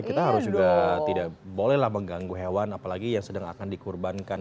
kita harus juga tidak bolehlah mengganggu hewan apalagi yang sedang akan dikurbankan